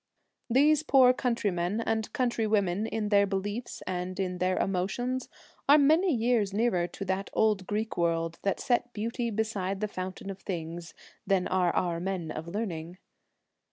These poor country men and countrywomen in their beliefs, and in their emotions, are many years nearer to that old Greek world, that set beauty beside the fountain of things, than are our men of learning.